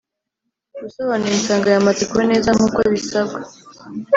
Gusobanura insanganyamatsiko. Neza nkuko bisabwa